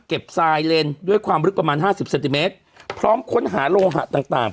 เก็บไซเลนด์ด้วยความลึกประมาณ๕๐เซติเมตรพร้อมค้นหาโลหะต่าง